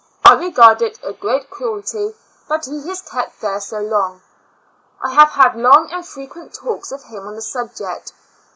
I regard it a great cruelty that he is kept there so long. I have had long and frequent talks with him on the subject.